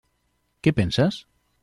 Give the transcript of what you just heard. Què penses?